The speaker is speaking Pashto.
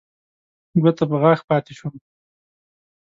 ګوته په غاښ پاتې شوم.